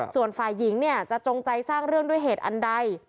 ส่วนฝ่ายหญิงเนี่ยจะจงใจสร้างเรื่องด้วยเหตุอันใด